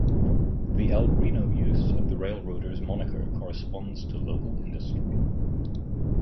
The El Reno use of the "Railroaders" moniker corresponds to local industry.